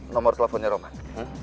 nomor teleponnya roman